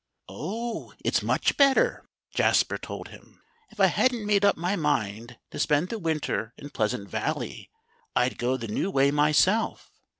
"Oh! it's much better," Jasper told him. "If I hadn't made up my mind to spend the winter in Pleasant Valley, I'd go the new way myself.